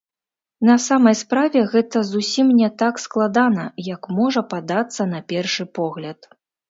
На самай справе, гэта зусім не так складана, як можа падацца на першы погляд.